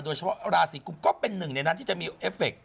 โดยเฉพาะราศีกุมก็เป็นหนึ่งในนั้นที่จะมีเอฟเค